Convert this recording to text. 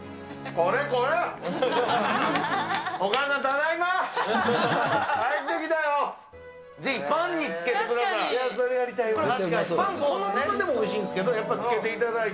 このままでもおいしいんですけど、やっぱつけていただいて。